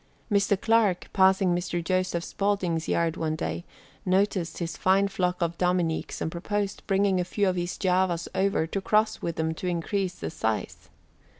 Mr. Clark, passing Mr. Joseph Spaulding's yard one day, noticed his fine flock of Dominiques and proposed bringing a few of his Javas over to cross with them to increase the size.